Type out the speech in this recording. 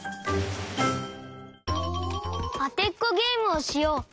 あてっこゲームをしよう。